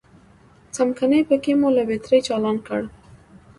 ځمکنی پکی مو له بترۍ چالان کړ.